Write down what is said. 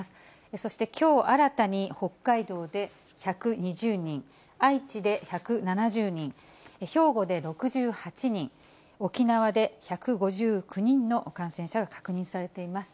そして、きょう新たに北海道で１２０人、愛知で１７０人、兵庫で６８人、沖縄で１５９人の感染者が確認されています。